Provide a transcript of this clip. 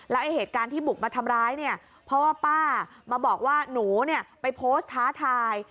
ไอ้เหตุการณ์ที่บุกมาทำร้ายเนี่ยเพราะว่าป้ามาบอกว่าหนูเนี่ยไปโพสต์ท้าทาย